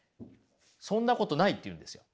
そんなことないって言うんですよ。